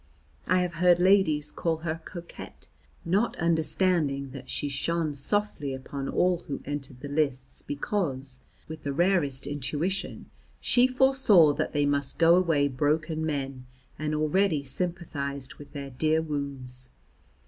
I have heard ladies call her coquette, not understanding that she shone softly upon all who entered the lists because, with the rarest intuition, she foresaw that they must go away broken men and already sympathised with their dear wounds.